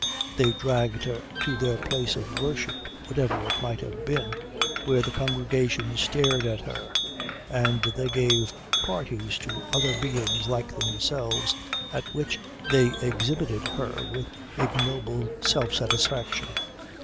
They dragged her to their place of worship, whatever it might have been, where the congregation stared at her, and they gave parties to other beings like themselves at which they exhibited her with ignoble self satisfaction.